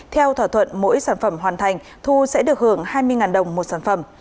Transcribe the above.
theo thỏa thuận mỗi sản phẩm hoàn thành thu sẽ được hưởng hai mươi đồng một sản phẩm